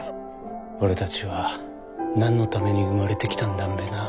俺たちは何のために生まれてきたんだんべなぁ？